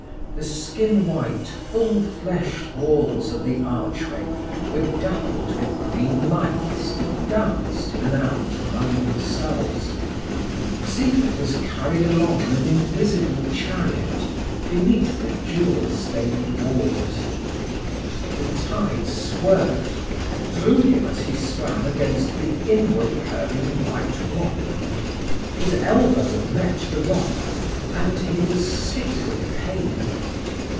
The skin white, full fleshed walls of the archway were dappled with green lights that danced in and out among themselves. Siegmund was carried along in an invisible chariot, beneath the jewel stained walls. The tide swerved, threw him as he swam against the inward curving white rock; his elbow met the rock, and he was sick with pain.